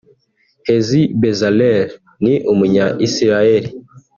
Hezi Bezalel ni Umunya-Israel